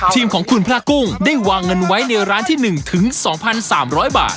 ทีมของคุณพระกุ้งได้วางเงินไว้ในร้านที่๑๒๓๐๐บาท